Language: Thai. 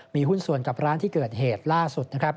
มีหุ้นสวนกับร้านที่เกิดเหตุล่าสุด